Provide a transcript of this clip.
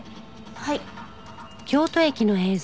はい。